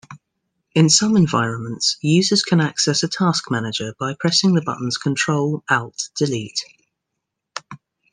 In some environments, users can access a task manager by pressing the buttons Control-Alt-Delete.